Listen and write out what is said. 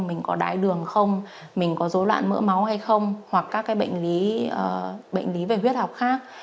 mình có đái đường không mình có dối loạn mỡ máu hay không hoặc các cái bệnh lý bệnh lý về huyết học khác